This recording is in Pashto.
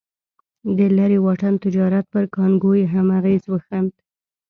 د لرې واټن تجارت پر کانګو یې هم اغېز وښند.